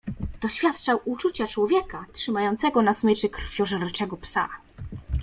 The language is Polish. "Doświadczał uczucia człowieka, trzymającego na smyczy krwiożerczego psa."